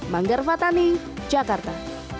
manggar fatani jakarta